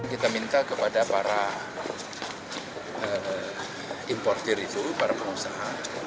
kita minta kepada para importir itu para pengusaha